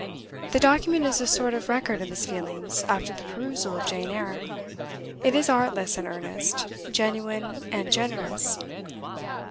The document is a sort of record of his feelings, after the perusal of "Jane Eyre;" it is artless and earnest; genuine and generous.